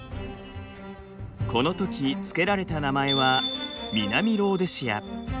このとき付けられた名前は南ローデシア。